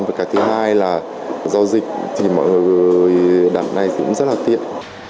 và cả thứ hai là do dịch thì mọi người đặt này cũng rất là tiện